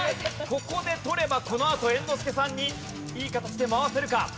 ここで取ればこのあと猿之助さんにいい形で回せるか？